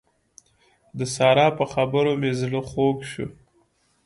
د سارا په خبرو مې زړه خوږ شو.